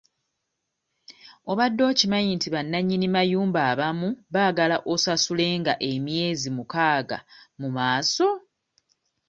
Obadde okimanyi nti bannanyini mayumba abamu baagala osasulenga emyezi mukaaga mu maaso.